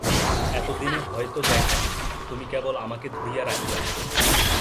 এতদিনে হয়তো যাইতাম, তুমি কেবল আমাকে ধরিয়া রাখিয়াছ।